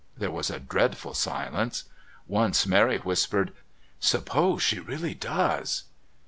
There was a dreadful silence. Once Mary whispered: "Suppose she really does."